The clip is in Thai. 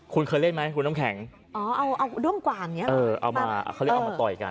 คุณเคยเล่นไหมคุณน้ำแข็งอ๋อเอาเอาด้วงกว่างเนี้ยเออเอามาเขาเรียกเอามาต่อยกัน